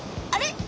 あれ？